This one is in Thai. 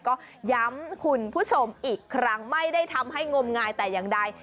ก็ย้ำคุณผู้ชมอีกครั้งไม่ได้ทำให้งมงายแต่อย่างใด